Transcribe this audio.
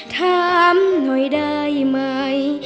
ถามหน่อยได้ไหม